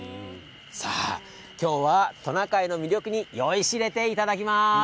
今日はトナカイの魅力に酔いしれていただきます。